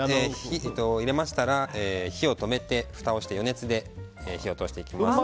入れましたら火を止めて、ふたをして余熱で火を通していきます。